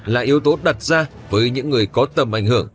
là yếu tố đặt ra với những người có tầm ảnh hưởng